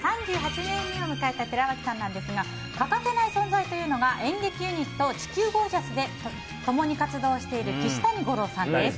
３８年目を迎えた寺脇さんですが欠かせない存在というのが演劇ユニット、地球ゴージャスで共に活動している岸谷五朗さんです。